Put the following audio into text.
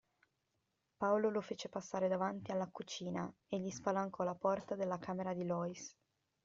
Paolo lo fece passare davanti alla cucina e gli spalancò la porta della camera di Lois.